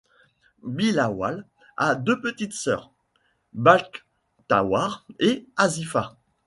Bilawal a deux petites sœurs, Bakhtawar et Asifa.